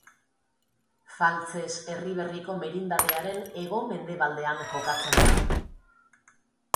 Faltzes Erriberriko merindadearen hego-mendebaldean kokatzen da.